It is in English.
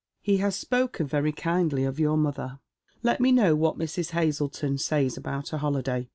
He has spoken very kindly of your mother. " Let me know what Mrs. Hazleton says about a holiday.